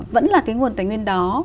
vẫn là cái nguồn tài nguyên đó